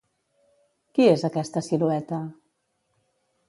Qui és aquesta silueta?